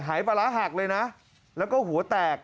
หายปลาร้าหักเลยนะแล้วก็หัวแตก